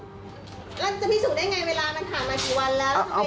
แล้วจะพิสูจนได้ไงเวลามันผ่านมากี่วันแล้ว